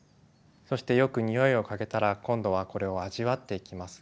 そしてよく匂いを嗅げたら今度はこれを味わっていきます。